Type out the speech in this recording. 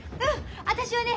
私はね